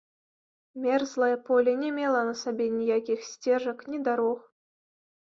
Мерзлае поле не мела на сабе ніякіх сцежак ні дарог.